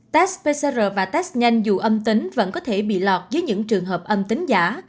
tass pcr và test nhanh dù âm tính vẫn có thể bị lọt dưới những trường hợp âm tính giả